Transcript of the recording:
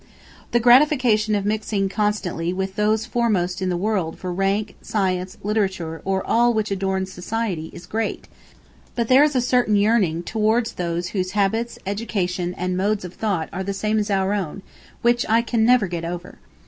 The gratification of mixing constantly with those foremost in the world for rank, science, literature, or all which adorns society is great, but there is a certain yearning toward those whose habits, education, and modes of thought are the same as our own, which I never can get over.